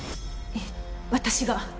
いえ私が。